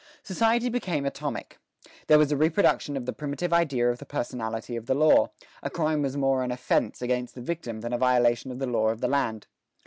Society became atomic. There was a reproduction of the primitive idea of the personality of the law, a crime was more an offense against the victim than a violation of the law of the land.